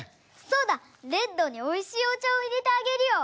そうだレッドにおいしいおちゃをいれてあげるよ。